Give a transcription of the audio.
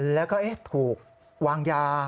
แล้วก็ถูกวางยา